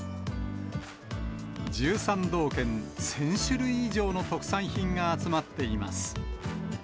１３道県１０００種類以上の特産品が集まっています。